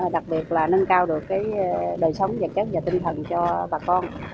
đặc biệt là nâng cao được đời sống vật chất và tinh thần cho bà con